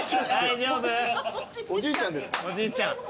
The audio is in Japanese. おじいちゃんです。